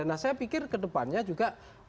nah saya pikir kedepannya juga